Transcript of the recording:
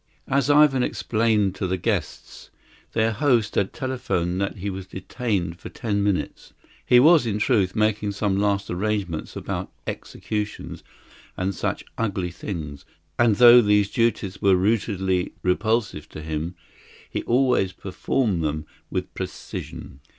As Ivan explained to the guests, their host had telephoned that he was detained for ten minutes. He was, in truth, making some last arrangements about executions and such ugly things; and though these duties were rootedly repulsive to him, he always performed them with precision.